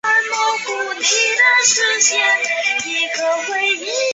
谢谢你们让我们办了自己的音乐祭！